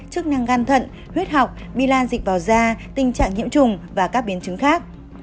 chức năng gan thận huyết học bilan dịch vào da tình trạng nhiễm trùng và các biến chứng khác